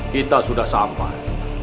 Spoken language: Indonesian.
kita sudah sampai